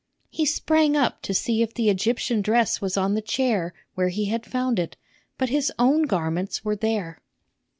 He sprang up to see if the Egyptian dress was on the chair where he had found it, but his own garments were there.